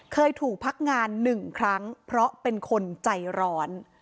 เคยถูกพักงานหนึ่งครั้งเพราะเป็นคนใจร้อน